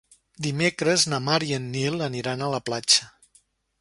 Dimecres na Mar i en Nil aniran a la platja.